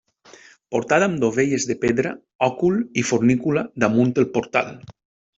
Portada amb dovelles de pedra, òcul i fornícula damunt el portal.